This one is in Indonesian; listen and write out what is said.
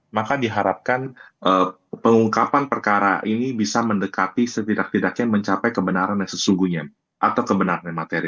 maka diharapkan pengungkapan perkara ini bisa mendekati setidak tidaknya mencapai kebenaran yang sesungguhnya atau kebenaran materi